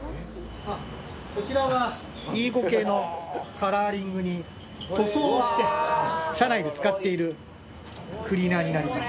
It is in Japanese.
こちらはＥ５系のカラーリングに塗装をして車内で使っているクリーナーになります。